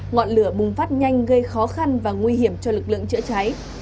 ngọn lửa bùng phát nhanh gây khó khăn và nguy hiểm cho lực lượng chữa cháy